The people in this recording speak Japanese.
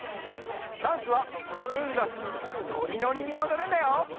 ダンスはじぶんらしくノリノリにおどるんだよ。